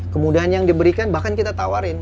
kemudahan yang diberikan bahkan kita tawarin